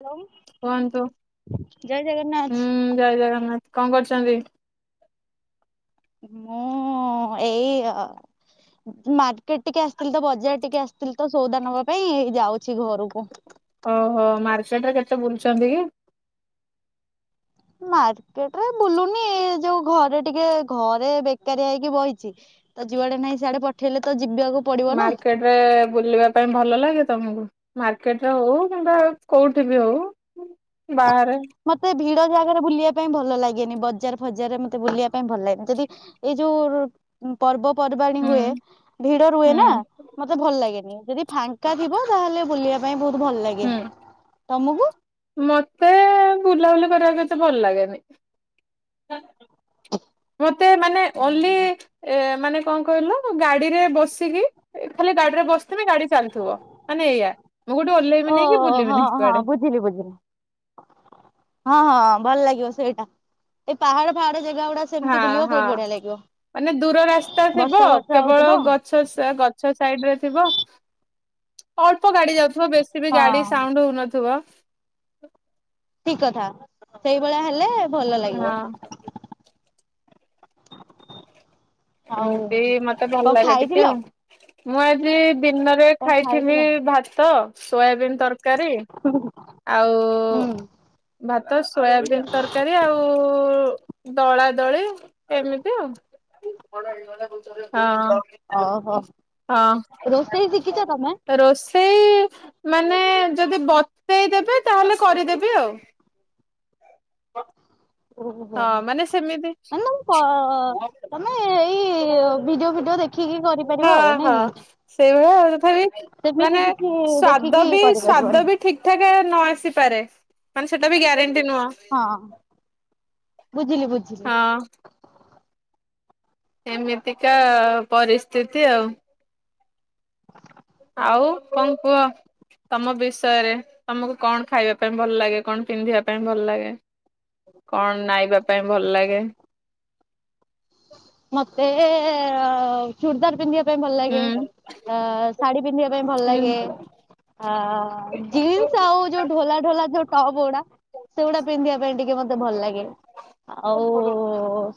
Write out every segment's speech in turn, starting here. Hello କୁହନ୍ତୁ ଜୟ ଜଗନ୍ନାଥ। ହୁଁ ଜୟ ଜଗନ୍ନାଥ କଣ କରୁଚନ୍ତି। ମୁଁ ଏଇ ମାର୍କେଟ ଟିକେ ଆସିଥିଲି ତ ବଜାର ଟିକେ ଆସିଥିଲି ତ ସଉଦା ନେବା ପାଇଁ ଏଇ ଯାଉଚି ଘରକୁ। ଓହୋ ମାର୍କେଟରେ କେତେ ବୁଲୁଚନ୍ତି କି? ମାର୍କେଟ ରେ ବୁଲୁନି ଏ ଯୋଉ ଘରେ ଟିକେ ଘରେ ବେକାରୀଆ ହେଇକି ବଇଚି। ଆ ଯୁଆଡେ ନାହିଁ ସିଆଡେ ପଠେଇଲେ ତ ଯିବାକୁ ପଡିବ ନା। ମାର୍କେଟ ରେ ବୁଲିବା ପାଇଁ ଭଲ ଲାଗେ ତମକୁ? ମାର୍କେଟରେ ହଉ କିମ୍ବା କୋଉଠି ବି ହଉ ବାହାରେ? ମତେ ଭିଡ ଜାଗାରେ ବୁଲିବା ପାଇଁ ଭଲ ଲାଗେନି ବଜାର ଫଜାର ରେ ମତେ ବୁଲିବା ପାଇଁ ଭଲ ଲାଗେନି ଯଦି ଏଇ ଯୋଉ ପର୍ବ ପର୍ବାଣୀ ହୁଁ ହୁଏ ଭିଡ ରୁହେ ହୁଁ ନା ମତେ ଭଲ ଲାଗେନି। ଯଦି ଫାଙ୍କ ଙ୍କା ଥିବ ତାହେଲେ ବୁଲିବା ପାଇଁ ବହୁତ ଭଲ ଲାଗେ। ହୁଁ ତମକୁ? ମତେ ବୁଲାବୁଲି କରିବାକୁ ଏତେ ଭଲ ଲାଗେନି। ମତେ ମାନେ ଓନ୍ଲି ଏ ମାନେ କଣ କହିଲୁ ଗାଡିରେ ବସିକି ଖାଲି ଗାଡିରେ ବସିଥିବି ଗାଡି ଚାଲିଥିବ ମାନେ ଏଇଆ ଆଉ କୋଠି ଓଲେଇବିନାଇ କି ବୁଲିମିନାହି କୁଆଡେ। ବୁଝି ବୁଝିଲି। ହଁ ହଁ ଭଲ ଲାଗିବ ସେଇଟା। ଏଇ ପାହାଡ ଫାହାଡ ଜାଗା ଗୁଡା ହଁ ସେମିତି ବୁଲିବ ହଁ ବହୁତ ବଢିଆ ଲାଗିବ ମାନେ ଦୂର ରାସ୍ତା ଥିବ ବର୍ଷା ବର୍ଷା କେବଳ ହଉଥିବ। ଗଛ ଛ ସାଇ ଅ ଗଛ ସାଇଟ୍ ରେ ଥିବ। ଅଳ୍ପ ଗାଡି ଯାଉଥିବ ବେଶ ଟିକେବି ଗାଡି ହଁ ସାଉଣ୍ଡ ହଉନଥିବ। ଠିକ କଥା ସେଇଭଳିଆ ହେଲେ ଭଲ ହଁ। ଲାଗିବ। ଆଉ ଏମିତି ମତେ ଭଲ କଣ ଲାଗେ ଟିକେ ଖାଇଥିଲ ଆଉ। ମୁଁ ଆଜି ଦିନରେ କଣ ଖାଇଥିଲି ଖାଇଥିଲ? ଭାତ ସୋୟାବିିନ୍ ତରକାରୀ ହୁଁ। ଆଉ ଭାତ ସୋୟାବିନ୍ ତରକାରୀ ଆଉ ଦଳା ଦଳି ଏମିତି ଆଉ ଓହୋ ହଁ। ରୋଷେଇ ଶିଖିଛ ହଁ ତମେ? ରୋଷ ଶେଇ ମାନେ ଯଦି ବତେଇଦେବେ ତାହେଲେ କରିଦେବି ଆଉ। ହଁ ମାନେ ସେମିତି ତ ତମେ ଏଇ ଭିଡିଓ ଫିଡିଓ ଦେଖିକି ହଁ କରିପାରିବ ଆଉ ହଁ ନାଇଁ କି? ସେଇଭଳିଆ ଆଉ ତଥାପି ସେମିତି ମାନେ କିଛି ସ୍ଵାଦ ଦେଖିକି ବି କରିପାରିବନି ସ୍ଵାଦ ବି ଠିକ ଠାକ ନ ଆସିପାରେ ମାନେ ସେଟା ବି ଗ୍ୟାରେଣ୍ଟି ନୁହଁ। ହଁ। ବୁଝିଲି ବୁଝି ହଁ। ଏମିତିକା ପରିସ୍ଥିତି ଆଉ। [inaudible] ଆଉ କଣ କୁହ। ତମ ବିଷୟରେ ତମକୁ କଣ ଖାଇବା ପାଇଁ ଭଲ ଲାଗେ କଣ ପିନ୍ଧିବା ପାଇଁ ଭଲ ଲାଗେ। କଣ ନାଇବା ପାଇଁ ଭଲ ଲାଗେ? ମତେ ଚୂର୍ଦାର ପନ୍ଦିବାକୁ ଭଲ ଲାଗେ ହୁଁ ଅ ଶାଢୀ ପିନ୍ଧିବା ପାଇଁ ଭଲ ହୁଁ। ଲାଗେ। ଆ ଜିନ୍ସ ଆଉ ଯୋଉ ଢୋଲା ଢୋଲା ଯୋଉ ଟପ୍ ଉଡା। ସେଇଗୁଡା ପିନ୍ଧିବା ପାଇଁ ଟିକେ ମତେ ଭଲ ଲାଗେ। ଆଉ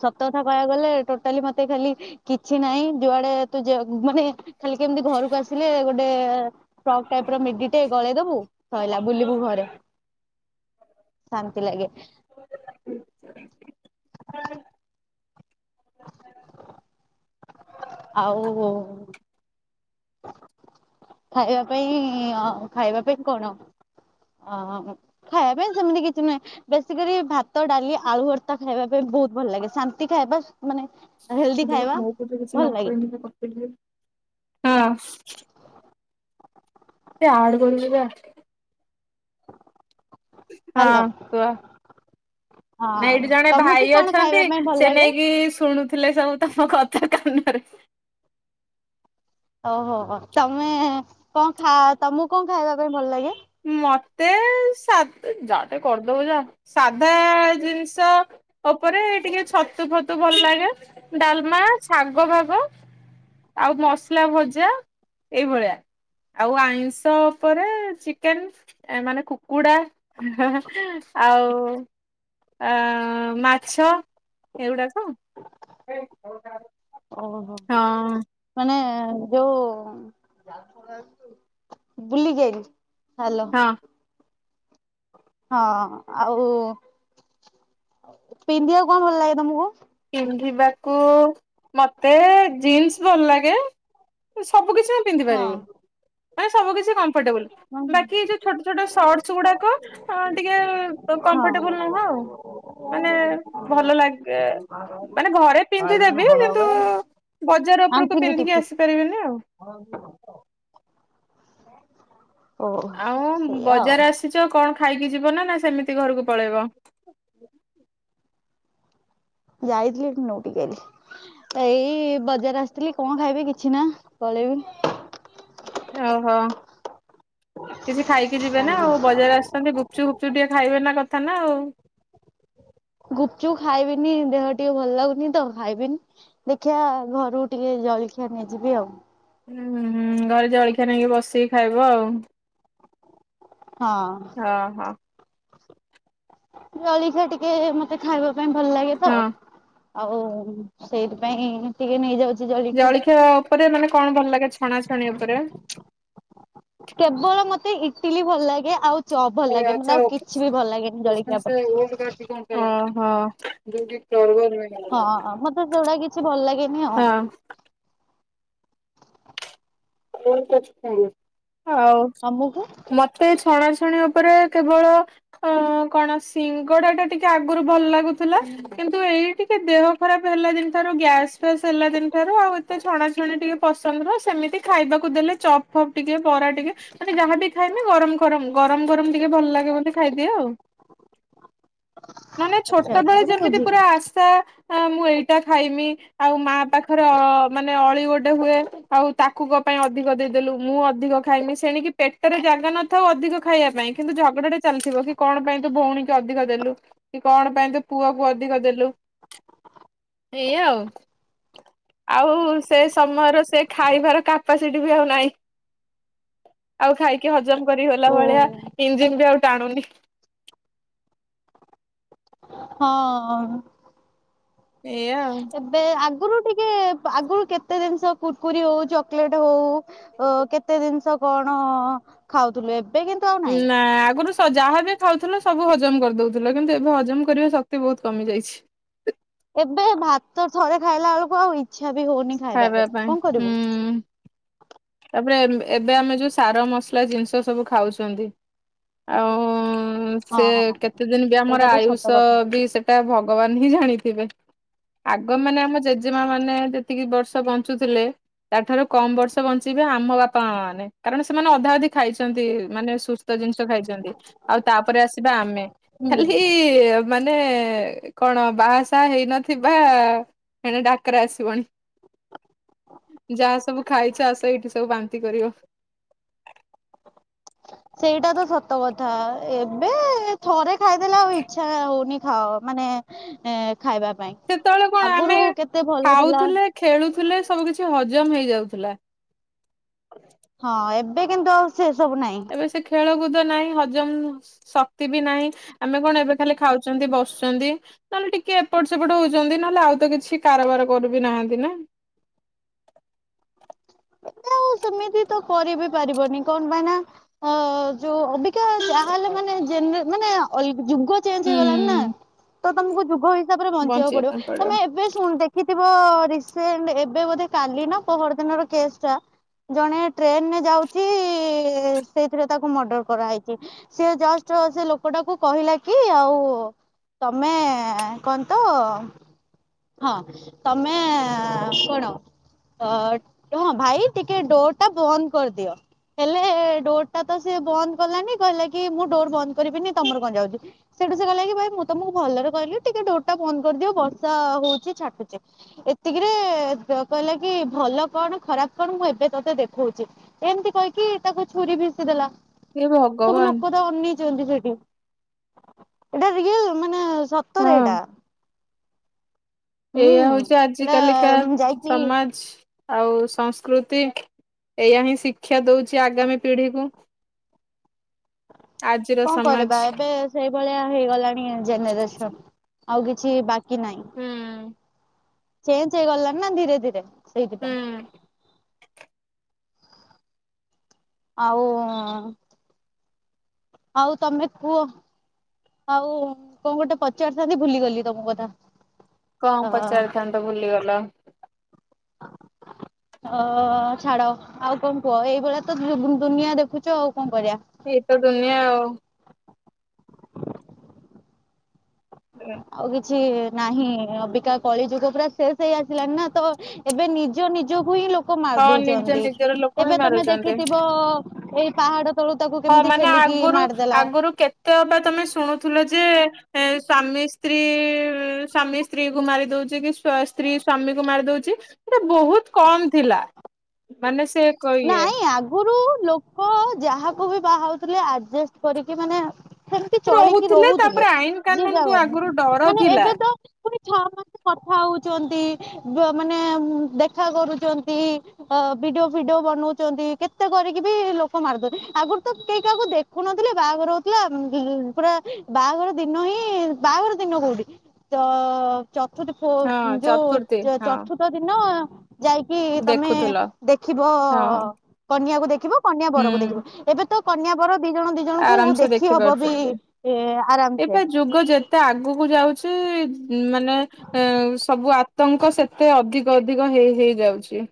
ସତ କଥା କହିବାକୁ ଗଲେ ଟୋ ଟାଲି ମତେ ଖାଲି କିଛି ନାଇଁ ଯୁଆଡେ ତୁ ଯାବ୍ ମାନେ ଖାଲି କେମିତି ଘରକୁ ଆସିଲେ ଗୋଟେ ଫ୍ରକ୍ ଟାଇପର ମିଡିଟେ ଗଳେଇ ଦବୁ ସ‌ଇଲା ବୁଲିବୁ ଘରେ। ଶାନ୍ତି ଲାଗେ। [inaudible] ଆଉ ଖାଇବା ପାଇଁ ଅ ଖାଇବା ପାଇଁ କଣ ଅଂ ଖାଇବା ପାଇଁ ସେମିତି କିଛି ନୁହେଁ। ବେଶୀକରି ଭାତ ଡାଲି ଆଳୁ ଭର୍ତ୍ତା ଖାଇବା ପାଇଁ ବୋହୁତ ଭଲ ଲାଗେ। ଶାନ୍ତି ଖାଇବା ମାନେ ହେଲ୍ଦି [unintelligible] ଖାଇବା ଭଲ ଲାଗେ ହଁ ଏ ଆଡ କରିଦେବେ। ହ୍ୟାଲୋ ହଁ କୁହ। ନା ହଁ ଏଇଠି ଜଣେ ତମକୁ ଭାଇ କଣ ଅଛନ୍ତି। ଖାଇବା ପାଇଁ ଭଲ ସେ ଲାଗେ ନେଇକି ଶୁଣୁଥିଲେ ସବୁ ମୋ କଥା କାନରେ ଓହୋ ତମେ କଣ ଖା ତମକୁ କଣ ଖାଇବା ପାଇଁ ଭଲ ଲାଗେ? ମତେ ସା ଯା ଟିକେ କରିଦବ ଯା ସାଧା ଜିନିଷ ଓପରେ ଟିକେ ଛତୁ ଫତୁ ଭଲ ଲାଗେ ଡାଲମା, ଶାଗ ଫାଗ ଆଉ ମସଲା ଭଜା ଏଇଭଳିଆ। ଆଉ ଆଇଁଷ ଓପରେ ଚି କେନ ମାନେ କୁକୁଡା ଆଉ ଆଁ ମାଛ ଏଉଡାକ। ଓହୋ। ମାନେ ଯୋଉ ବୁଲିକି ଆଇଲି। ହାଲୋ। ହଁ ହଁ ଆଉ ପିନ୍ଧିବାକୁ କଣ ଭଲ ଲାଗେ ତମକୁ? ପିନ୍ଧିବାକୁ ମତେ ଜିନ୍ସ ଭଲ ଲାଗେ। ସବୁ କିଛି ମୁଁ ପିନ୍ଧିପାରିବୁ ମାନେ ସବୁ କି କ ମ୍ଫର୍ଟେବୁଲ ବାକି ଯୋଉ ଛୋଟ ଛୋଟ ସର୍ଟସ ଗୁଡାକ ହଁ ଟିକେ କମ୍ଫର୍ଟେବୁଲ ହଁ ନୁହଁ ଆଉ ମାନେ ଭଲ ଲାଗେ। ମାନେ ଘରେ ପିନ୍ଧି ଦେବି ହଁ କିନ୍ତୁ ବଜାର ଉପରକୁ ପିନ୍ଧିକି ଆସିପାରିବିନି ଆଉ। ହୋଉ ରୁହ। ଓହୋ ଆଉ ସେଇଆ ଆଉ ବଜାର ଆସିଚ କଣ ଖାଇକି ଯିବନା ନା ସେମିତି ଘରକୁ ପଳେଇବ? ଯାଇଥିଲି ଏଠୁ ନୋଉଟିକି ଆଇଲି। ଏଇ ବଜାର ଆସିଥିଲି କଣ ଖାଇବି କିଛି ନା ପଳେଇବି। ଓହୋ କିଛି ଖାଇକି ଯିବେ ନା କାଲି। ଆଉ ବଜାର ଆସଚନ୍ତି ଗୁ ପଚୁପ ଫୁପଚୁପ ଟିକିଏ ଖାଇବେ ନା କଥା ନା ଆଉ। ଗୁପଚୁପ ଖାଇବିନି ଦେହ ଟିକେ ଭଲ ଲାଗୁନି ତ ଖାଇବିନି। ଦେଖିଆ ଘରୁକୁ ଟିକେ ଜଳଖିଆ ନେଇଯିବି ଆଉ। ହୁଁଁ ହୁଁ ଘରେ ଜଳଖିଆ ନେଇକି ବସିକି ଖାଇବ ଆଉ। ହଁ। ହଁ ହଁ। ଜଳଖିଆ ଟିକେ ମତେ ଖାଇବା ପାଇଁ ଭଲ ଲାଗେ ତ। ହଁ। ଆଉ ସେଇଥି ପାଇଁ ଟିକେ ନେଇଯାଉଚି ଜଳି ଜଳଖିଆ ଓପରେ ମାନେ କଣ ଭଲ ଲାଗେ ଛଣାଛଣି ଓପରେ? କେବଳ ମତେ ଇଟିଲି ଭଲ ଲାଗେ ଆଉ ଚପ୍ ଭଲ ଲାଗେ ମାନେ ଆଉ କିଛି ବି ଭଲ ଲାଗେନି ଜଳଖିଆ ଉପରେ। [unintelligible] ହଁ ହଁ [unintelligible] ହଁ ମତେ ସେଗୁଡା କିଛି ଭଲ ଲାଗେନି ଆଉ। [unintelligible] ହଉ। ତମକୁ? ମତେ ଛଣାଛଣି ଉପରେ କେବଳ ହଁ କଣ ସିଙ୍ଗଡା ଟା ଟିକେ ଆଗରୁ ଭଲ ଲାଗୁଥିଲା କିନ୍ତୁ ଏଇ ଟିକେ ଦେହ ଖରାପ ହେଲା ଦିନ ଠାରୁ ଗ୍ୟାସ ଫ୍ୟାସ ହେଲା ଦିନ ଠାରୁ ଆଉ ଏ ସେ ଛଣା ଛଣି ଟିକେ ପସନ୍ଦ ନୁହଁ ସେମିତି ଖାଇବାକୁ ଦେଲେ ଚପ୍ ଫପ୍ ଟିକେ ବରା ଟିକେ ମାନେ ଯାହାବି ଖାଇମି ଗରମ ଗରମ ଗରମ ଗରମ ଟିକେ ଭଲ ଲାଗେ ବୋଲି ଖାଇଦିଏ ଆଉ। ମାନେ ଆଚ୍ଛା ଛୋଟବେଳେ ଆଚ୍ଛା ମାନେ ଯେମିତି ବୁଝିଲି ପୁରା ଆଶା ଆଁ ମୁଁ ଏଇଟା ଖାଇମି ଆଉ ମା ପାଖରେ ଅ ମାନେ ଅଳି ଗୋଟେ ହୁଏ ଆଉ ତା ତାକୁ ଙ୍କ ପାଇଁ ଅଧିକ ଦେଇଦେଲୁ ମୁଁ ଅଧିକ ଖାଇମି ସେଣିକି ପେଟରେ ଜାଗା ନଥାଉ ଅଧିକ ଖାଇବା ପାଇଁ କିନ୍ତୁ ଝଗଡା ଟା ଚାଲିଥିବ କି କଣ ପାଇଁ ତୁ ଭଉଣୀ କି ଅଧିକ ଦେଲୁ। କି କଣ ପାଇଁ ତ ପୁଅକୁ ଅଧିକ ଦେଲୁ। ଏଇଆ ଆଉ ଆଉ ସେ ସମୟର ସେ ଖାଇବାର କାର୍ପାସିଟି ବି ଆଉ ନାହିଁ। ଆଉ ଖାଇକି ହଜମ କରି ହେଲା ଓହୋ ଭଳିଆ ଇଞ୍ଜିିନ ବି ଆଉ ଟାଣୁନି। ହଁ। ଏଇୟା ଆଉ। ଏବେ ଆଗରୁ ଟିକେ ଆଗରୁ କେତେ ଜିନିଷ କୁୁରକୁରି ହଉ ଚକୋଲେଟ୍ ହଉ ଓ କେତେ ଜିନିଷ କଣ ଖାଉଥିଲୁ ଏ ନା ଆଗରୁ ତ ଯାହା ବି ଖାଉଥିଲ ସବୁ ହଜମ କରିଦଉଥିଲ କିନ୍ତୁ ଏବେ ହଜମ କରିବା ଶକ୍ତି ବହୁତ କମି ଯାଇଛି। ଏବେ ଭାତ ଥରେ ଖାଇଲା ବେଳକୁ ଆଉ ଇଚ୍ଛା ବି ହଉନି। ଖାଇବା ପାଇଁ ହୁଁ। ତାପରେ ଏ-ଏବେ ଆମେ ଯୋଉ ସାର ମସଲା ଜିନିଷ ସବୁ ଖାଉଛନ୍ତି। ଆଉ ହଁ ସେ ହଁ କେତେ ଦିନ ବି ଆମର ସେଇଟା ତ ସତ ଆୟୁଷ କଥା ବି ସେ ସେଟା ଭଗବାନ ହିଁ ଜାଣିଥିବେ ଆଗ ମାନେ ଆମ ଜେଜେମା ମାନେ ଯେ ଯେତିକି ବର୍ଷ ବଞ୍ଚୁଥିଲେ। ତାଠାରୁ କମ ବର୍ଷ ବଞ୍ଚିବେ ଆମ ବାପା ମା ମାନେ କାରଣ ସେମାନେ ଅଧା ଅଧି ଖାଇଛନ୍ତି ମାନେ ସୁ ତ ଜିନିଷ ଖାଇଛନ୍ତି ଆଉ ତାପରେ ଆସିବା ଆମେ ହୁଁ। ଖାଲି ତି ମାନେ କଣ ବାହାସାହା ହେଇନଥିବା ହେଣେ ଡାକେରା ଆସିବଣି। ଯାହା ସବୁ ଖାଇଚ ଆସ ଏଇଠି ସବୁ ବାନ୍ତି କରିବ। ସେଇଟା ତ ସତ କଥା ଏବେ ଥରେ ଖାଇଦେଲେ ଆଉ ଇଚ୍ଛା ହଉନି ଖାଅ ମାନେ ଏ ଖାଇବା ପାଇଁ ସେତେବେଳେ କଣ ଆମେ ଆଗରୁ କେତେ ଭଲ ଥିଲା। ଖାଉଥିଲେ ଖେଳୁଥିଲେ ସବୁ କିଛି ହଜମ ହେଇଯାଉଥିଲା। ହଁ ଏବେ କିନ୍ତୁ ଆଉ ସେ ସବୁ ନାହିଁ। ଏବେ ସେ ଖେଳକୁଦ ନାହିଁ ହଜମ ଶକ୍ତି ବି ନାହିଁ ଆମେ କଣ ଏବେ ଖାଲି ଖାଉଛନ୍ତି ବସୁଛନ୍ତି। ନହେଲେ ଟିକେ ଏପଟ ସେପଟ ହଉଛନ୍ତି ନହେଲେ ଆଉ ତ କିଛି କାରବାର କରୁ ବିି ନାହାନ୍ତି ନା। ଦାଉ ସେମିତି ତ କରି ବିି ପାରିବନି କଣ ପାଇଁ ନା ଅ ଯୋଉ ଅବି ଅଧିକା ଯାହାହେଲେ ମାନେ ଜେନେ ମାନେ ଅଲ ଯୁଗ ଚେଞ୍ଜ ହେଇଗଲାଣି ନା ତ ତମକୁ ଯୁଗ ହେଇ ତାପରେ ବଞ୍ଚିବାକୁ ବଞ୍ଚିବା ପାଇଁ ପଡିବ ତମେ ଏବେ ଶୁଣି ଦେଖ ଦେଖିଥିବ ରିସେଣ୍ଟ ଏବେ ବୋଧେ କାଲି ନା ପୋହର ଦିନର କେସ୍ ଟା। ଜଣେ ଟ୍ରେନରେ ଯାଉଛି ସେଇଥିରେ ତାକୁ ମର୍ଡର କରାହେଇଛି। ସିଏ ଜଷ୍ଟ ସେ ଲୋକଟାକୁ କହିଲା କି ଆଉ ତମେ କଣ ତ ହଁ ତମେ କଣ ଅ ହଁ ଭାଇ ଟି କି ଡୋର୍ ଟା ବନ୍ଦ କରିଦିଅ। ହେଲେ ଡୋର୍ ଟା ତ ସେ ବନ୍ଦ କଲାନି, କହିଲା କି ମୁଁ ଡୋର୍ ବନ୍ଦ କରିବିନି ତମର କଣ ଯାଉଚି। ସେଠୁ ସେ କହିଲା କି ଭାଇ ମୁଁ ତମକୁ ଭଲରେ କହିଲି ଟିକେ ଡୋରଟା ବନ୍ଦ କରିଦିଅ ବର୍ଷା ହଉଚି ଛାଟୁଚି। ଏତିକିରେ କହିଲା କି ଭଲ କଣ ଖରାପ କଣ ମୁଁ ଏବେ ତତେ ଦେଖଉଚି। ଏମ୍ତି କହିକି ତାକୁ ଛୁରୀ ଭିସିଦେଲା। ଏ ଭଗବାନ୍। [unintelligible] ଅନେଇଚନ୍ତି ସେଠି, ଏଇଟା ରଏଲ୍ ମାନେ ସତରେ ଏଇଟା। ହଁ ହୁଁ ଏଇଆ ହଉଛି ଆଜି ଏଇଟା କାଲିକା ଯାଇକି ସମାଜ୍। ଆଉ ସଂସ୍କୃତି ଏଇଆ ହିଁ ଶିକ୍ଷା ଦଉଚି ଆଗାମୀ ପିଢିକୁ। ଆଜିର କଣ ସମାଜ କରିବା, ଏବେ ସେଇଭଳିଆ ହେଇଗଲାଣି ଜେନେରେସନ୍ ଆଉ କିଛି ବାକି ନାହିଁ। ହୁଁ। ଚେଞ୍ଜ ହେଇଗଲଣି ନା ଧୀରେ-ଧୀରେ ହୁଁ ସେଇଥିପାଇଁ। ଆଉ ଆଉ ତମେ କୁହ। ଆଉ କଣ ଗୋଟେ ପଚାରିଥାନ୍ତି ଭୁଲିଗଲି ତମ କଥା। କଣ ଅ ପଚାରିଥାନ୍ତ ଭୁଲିଗଲ? [inaudible] ଅ ଛାଡ ଆଉ କଣ କୁହ, ଏଇଭଳିଆ ତ ଦୁନିଆ ଦେଖୁଚ ଆଉ କଣ କରିଆ। ଏଇତ ଦୁନିଆ ଆଉ। ହ ଆଉ କିଛି ନାହିଁ, ଅବିକା କଳିଯୁଗ ପୁରା ଶେଷ ହେଇ ଆସିଲାଣି ନା ତ ଏବେ ନିଜ ନିଜକୁ ହିଁ ଲୋକ ହଁ ନିଜ ମାରିଦଉଚନ୍ତି, ନିଜର ଲୋକ ହିଁ ଏବେ ତମେ ମାରୁଛନ୍ତି। ଦେଖିଥିବ ଏଇ ପାହାଡ ତଳୁ ତାକୁ ହଁ କେମିତି ମାନେ ଠେଲିକି ମାରିଦେଲା ଆଗୁରୁ-ଆଗୁରୁ କେତେ ଅବା ତମେ ଶୁଣୁଥିଲ ଯେ ଏ ସ୍ଵାମୀ ସ୍ତ୍ରୀ ସ୍ଵାମୀ ସ୍ତ୍ରୀ କୁ ମାରି ଦଉଚି କି ସ୍ତ୍ରୀ ସ୍ଵାମୀ କୁ ମାରି ଦଉଚି। ସେଟା ବହୁତ୍ କମ୍ ଥିଲା, ମାନେ ସେ ଇଏ ନାଇଁ ଆଗୁରୁ ଲୋକ ଯାହାକୁ ବି ବାହଉଥିଲେ ଆଜେଷ୍ଟ କରିକି ମାନେ ସେମ୍ତି ଚଳିକି ରହୁଥିଲେ, ତାପରେ ଆଇନ କାନୁନ ଯିଏ କୁ ଆଗରୁ [unintelligible] ଡର ମାନେ ଥିଲା ଏବେ ତ ପୁଣି [unintelligible] କଥା ହଉଚନ୍ତି ମାନେ ଦେଖା କରୁଚନ୍ତି। ଅ [unintelligible] ଭିଡିଓ ବନଉଚନ୍ତି କେତେ କରିକି ବି ଲୋକ ମାର୍ଦ ଆଗରୁ ତ କେହି କାହାକୁ ଦେଖୁନଥିଲେ ବାହାଘର ହଉ ଥିଲା ପୁରା ବାହାଘର ଦିନ ହିଁ ବାହାଘର ଦିନ କୋଉଠି ତ ଚତୁର୍ଥୀ ଫୋ ହଁ ଚତୁର୍ଥୀ ଯୋଉ ହଁ ଚତୁର୍ଥ ଦିନ ଯାଇକି ତମେ ଦେଖୁଥିଲ ଦେ ଦେଖିବ ହଁ କନ୍ୟାକୁ ଦେଖିବ କନ୍ୟା ବରକୁ ଦେଖିବ, ହୁଁ ଏବେ ତ କନ୍ୟା ବର ଦି ଜଣ ଦି ଜଣଙ୍କୁ ଆରାମ ସେ ଦେଖି ହବ ବି ପାରୁଛନ୍ତି ଏ ଆରାମ୍ସେ। ଏବେ ଯୁଗ ଯେତେ ଆଗକୁ ଯାଉଚି ମାନେ ଏ ସବୁ ଆତଙ୍କ ସେତେ ଅଧିକ-ଅଧିକ ହେଇ-ହେଇ ଯାଉଚି।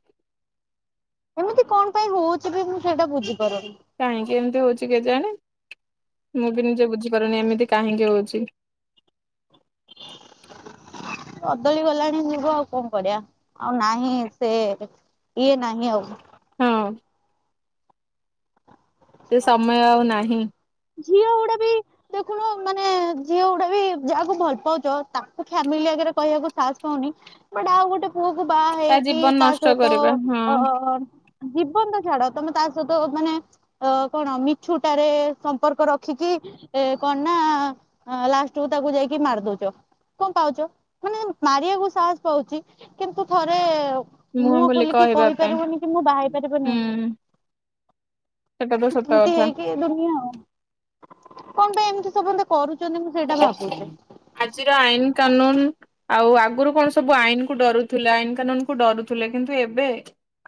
ଏମିତି କଣ ପାଇଁ ହଉଚି ବି ମୁଁ ସେଇଟା ବୁଝିପାରୁନି। କାହିଁକି ଏମିତି ହଉଛି କେଜାଣି, ମୁଁ ବି ନିଜେ ବୁଝିପାରୁନି ଏମିତି କାହିଁକି ହଉଛି। କଦଳି ଗଲାଣି ଯୁଗ ଆଉ କଣ କରିଆ, ଆଉ ନାହିଁ ସେ ଇଏ ନାହିଁ ଆଉ। ହଁ। ସେ ସମୟ ଆଉ ନାହିଁ। ଝିଅ ଗୁଡା ବି ଦେଖୁନୁ ମାନେ ଝିଅ ଗୁଡା ବି ଯାହାକୁ ଭଲ୍ ପାଉଚ, ତାକୁ ଫ୍ୟାମିଲି ଆଗରେ କହିବାକୁ ସାହସ୍ ପାଉନି। ବଟ୍ ଆଉ ଗୋଟେ ପୁଅ କୁ ତା ବାହାହେଇକି ଜୀବନ ତା ନଷ୍ଟ ସହିତ କରିବା ହଁ ଅ ଜୀବନ ଟା ଛାଡ ତମେ ତା ସହିତ ମାନେ ଅ କଣ ମିଛୁଟାରେ ସମ୍ପର୍କ ରଖିକି ଏ କଣ ନା ଲାଷ୍ଟ କୁ ତାକୁ ଯାଇକି ମାରି ଦଉଚ। କଣ ପାଉଚ, ମାନେ ମାରିଆକୁ ସାହାସ୍ ପାଉଚି କିନ୍ତୁ ଥରେ ମୁହଁ ଖୋଲି ଖୋଲିକି କହିବା ପାଇଁ କହିପାରିବୁନି କି ମୁଁ ବାହା ହେଇ ପାରିବିନି। ହୁଁ ସେଟା ତ ସତ କଥା। କିଛି ଦୁନିଆ କଣ ପାଇଁ ଏମିତି ସବୁ ଏମତି କରୁଚନ୍ତି ମୁଁ ସେଇଟା ଭାବୁଛି। ଆଜିର ଆଇନ କାନୁନ ଆଉ ଆଗରୁ କଣ ସବୁ ଆଇନ କୁ ଡରୁଥିଲେ। ଆଇନ କାନୁନ କୁ ଡରୁଥିଲେ। କିନ୍ତୁ ଏବେ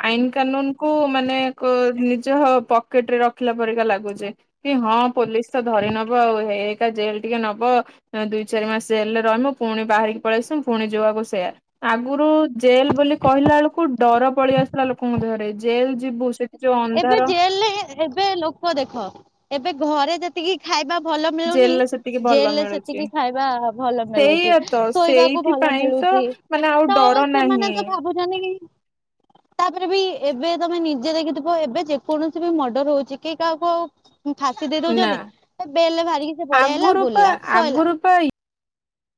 ଆଇନ କାନୁନ୍ କୁ ମାନେ କୁ ନିଜ ହୋ ପକେଟ୍ ରେ ରଖିଲା ପରିକା ଲାଗୁଚି। କି ହଁ ପୋଲିସ୍ ତ ଧରି ନବ, ଆଉ ହେଇ ହେଇକା ଜେଲ ଟିକେ ନବ ଅଁ, ଦୁଇ ଚାରି ମାସ ଜେଲରେ ରହିବୁ, ପୁଣି ବାହାରିକି ପଳେଇଆସିବୁ। ପୁଣି ଯୋଉଆକୁ ସେଇଆ। ଆଗରୁ ଜେଲ ବୋଲି କହିଲା ବେଳକୁ ଡର ପଳେଇ ଆସୁଥିଲା ଲୋକଙ୍କ ଦେହରେ। ଜେଲ ଯିବୁ ସେ ଏବେ ଜେଲରେ ଏବେ ଲୋକ ଦେଖ, ଏବେ ଘରେ ଯେ ତିକି ଖାଇବା ଭଲ ମିଳୁନି, ଜେଲରେ ସେତିକି ଭଲ ଜେଲରେ ମିଳୁଛି। ସେତିକି ଖାଇବା ଭଲ ସେଇଆ ମିଳୁଚି। ତ ଶୋଇବାକୁ ଭଲ ସେଇଥିପାଇଁ ତ ମିଳୁଛି। ମାନେ ଆଉ ତ ଡର ସେମାନେ ନାହିଁ ତ ଭାବୁ ମାନେ କି ତାପରେ ବି ଏବେ ତୋମେ ନିଜେ ଦେଖିଥି ବ ଏବେ ଯେକୌଣସି ବି ମର୍ଡର ହଉଛି, କେଇ କାହାକୁ ଆଉ ଉଁ, ଫାଶୀ ଦେଇ ନା ଦଉଚନ୍ତି, ଏ ବେଲ୍ ରେ ବାହାରିକି ସେ ପଳି ଆଇଲା ଆଗରୁ ପା ବୁଲଲା ସଇଲା। ଆଗରୁ ପା